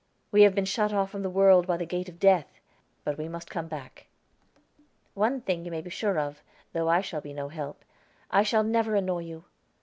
We have been shut off from the world by the gate of Death; but we must come back." "One thing you may be sure of though I shall be no help, I shall never annoy you.